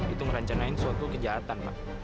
itu merencanain suatu kejahatan pak